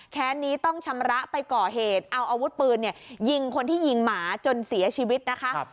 นี้ต้องชำระไปก่อเหตุเอาอาวุธปืนยิงคนที่ยิงหมาจนเสียชีวิตนะคะ